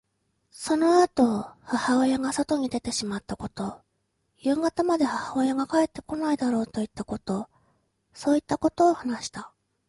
そのあと母親が外に出てしまったこと、夕方まで母親が帰ってこないだろうといったこと、そういったことを話した。